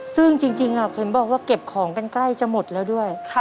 ซึ่งจริงเห็นบอกว่าเก็บของกันใกล้จะหมดแล้วด้วย